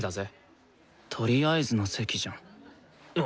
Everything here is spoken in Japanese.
とりあえずの席じゃん。